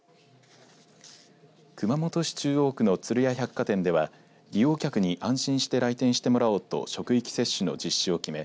熊本市中央区の鶴屋百貨店では利用客に安心して来店してもらおうと職域接種の実施を決め